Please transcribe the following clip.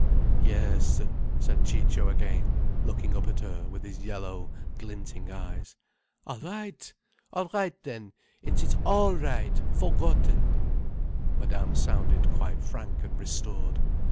"Yes," said Ciccio, again looking up at her with his yellow, glinting eyes. "All right! All right then! It is all right—forgotten—" Madame sounded quite frank and restored.